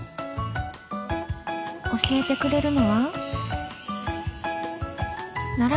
教えてくれるのは奈良